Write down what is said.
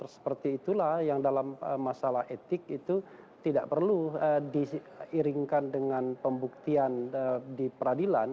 seperti itulah yang dalam masalah etik itu tidak perlu diiringkan dengan pembuktian di peradilan